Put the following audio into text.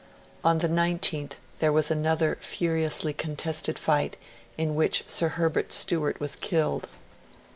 On the 19th there was another furiously contested fight, in which Sir Herbert Stewart was killed.